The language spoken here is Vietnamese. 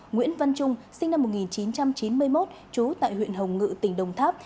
nguyễn văn trung sinh năm một nghìn chín trăm chín mươi một trú tại huyện hồng ngự tỉnh đồng tháp